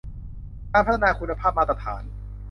การพัฒนาคุณภาพมาตรฐาน